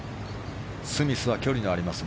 スミスは距離があります。